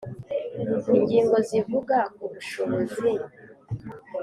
Ingingo Zivuga Ku Bushobozi